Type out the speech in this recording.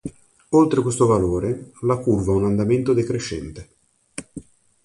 Oltre questo valore, la curva ha un andamento decrescente.